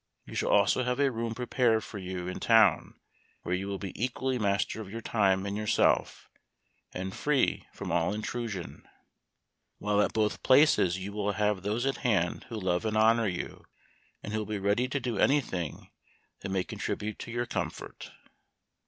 You shall also have a room prepared for you in town, where you will be equally master of your time and yourself, and free from all intrusion ; while at both places you will have those at hand who love and honor you, and who will be ready to do any thing that may con tribute to your comfort."